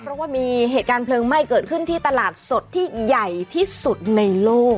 เพราะว่ามีเหตุการณ์เพลิงไหม้เกิดขึ้นที่ตลาดสดที่ใหญ่ที่สุดในโลก